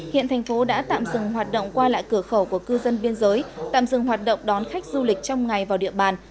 hiện thành phố đã tạm dừng hoạt động qua lại cửa khẩu của cư dân biên giới tạm dừng hoạt động đón khách du lịch trong ngày vào địa bàn